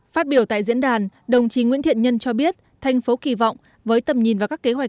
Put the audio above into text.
phát biểu tại diễn đàn đồng chí nguyễn thiện nhân cho biết thành phố kỳ vọng với tầm nhìn và các kế hoạch